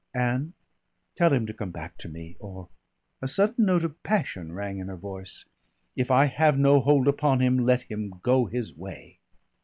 "And ?" "Tell him to come back to me, or" a sudden note of passion rang in her voice "if I have no hold upon him, let him go his way."